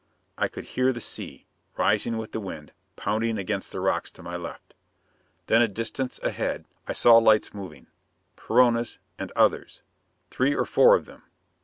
I could hear the sea, rising with the wind, pounding against the rocks to my left. Then, a distance ahead, I saw lights moving. Perona's and others. Three or four of them.